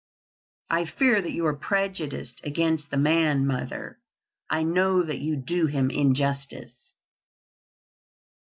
"I fear that you are prejudiced against the man, mother. I know that you do him injustice."